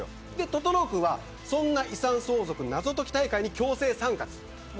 整君はそんな遺産相続の謎解き大会に強制参加するんです。